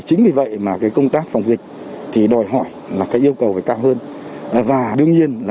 chính vì vậy mà cái công tác phòng dịch thì đòi hỏi là cái yêu cầu phải cao hơn và đương nhiên